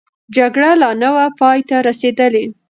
جګړه لا نه وه پای ته رسېدلې.